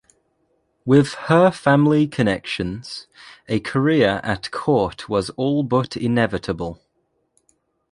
With her family connections, a career at court was all but inevitable.